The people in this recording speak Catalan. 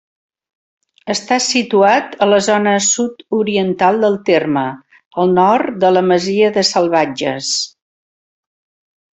Està situat a la zona sud-oriental del terme, al nord de la masia de Salvatges.